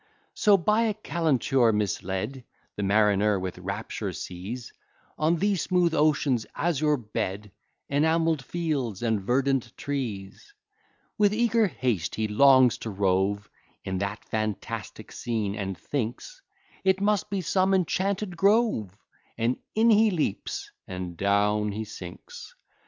So, by a calenture misled, The mariner with rapture sees, On the smooth ocean's azure bed, Enamell'd fields and verdant trees: With eager haste he longs to rove In that fantastic scene, and thinks It must be some enchanted grove; And in he leaps, and down he sinks.